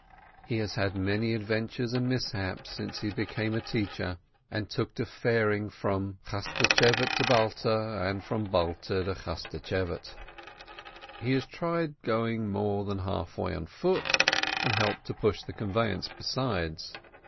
He has had many adventures and mishaps since he became a teacher, and took to faring from Chaschtschevate to Balta and from Balta to Chaschtschevate. He has tried going more than half way on foot, and helped to push the conveyance besides.